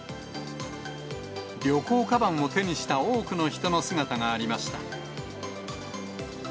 旅行かばんを手にした多くの人の姿がありました。